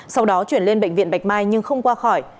sau đó chuyển lên bệnh viện bạch mai nhưng không qua khỏi